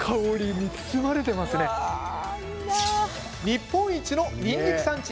日本一のにんにく産地